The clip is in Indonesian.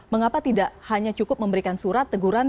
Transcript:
mengapa tidak hanya cukup memberikan surat teguran